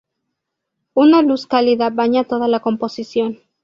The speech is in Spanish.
Una luz cálida baña toda la composición.